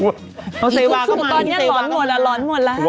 อีซูซูตอนเนี้ยหลอนหมดแล้วหลอนหมดแล้ว